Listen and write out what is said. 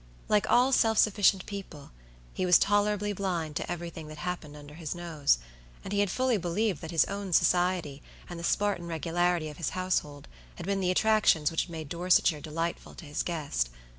Like all self sufficient people, he was tolerably blind to everything that happened under his nose, and he had fully believed that his own society, and the Spartan regularity of his household, had been the attractions which had made Dorsetshire delightful to his guest.